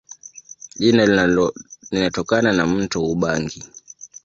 Jina linatokana na mto Ubangi.